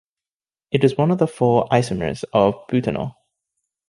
It is one of the four isomers of butanol.